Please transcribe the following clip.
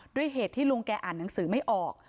ด้วยเหตุที่ลุงแกอ่านหนังสือไม่ออก